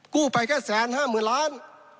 กู้ไปแค่แสนห้าหมื่นล้าน